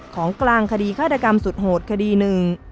ของกลางคดีฆาตกรรมสุดโหดคดีหนึ่ง